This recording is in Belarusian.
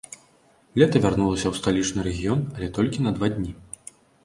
Лета вярнулася ў сталічны рэгіён, але толькі на два дні.